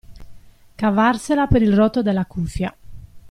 Cavarsela per il rotto della cuffia.